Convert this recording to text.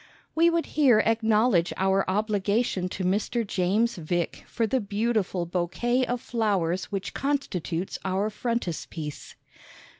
We would here acknowledge our obligation to Mr. James Vick for the beautiful Bouquet of Flowers which constitutes our Frontispiece.